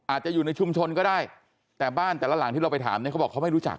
อาจจะอยู่ในชุมชนก็ได้แต่บ้านแต่ละหลังที่เราไปถามเนี่ยเขาบอกเขาไม่รู้จัก